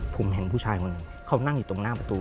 ผมเห็นผู้ชายคนหนึ่งเขานั่งอยู่ตรงหน้าประตู